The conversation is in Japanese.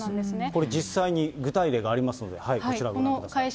これ実際に具体例がありますので、こちら、ご覧ください。